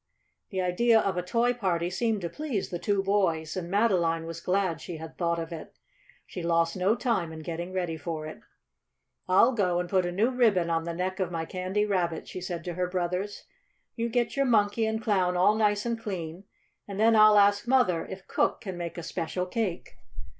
The idea of a Toy Party seemed to please the two boys, and Madeline was glad she had thought of it. She lost no time in getting ready for it. "I'll go and put a new ribbon on the neck of my Candy Rabbit," she said to her brothers. "You get your Monkey and Clown all nice and clean, and then I'll ask Mother if Cook can make a special cake."